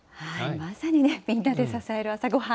まさにね、みんなで支える朝ごはん。